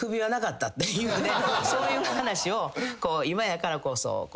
そういう話を今やからこそ笑いながら。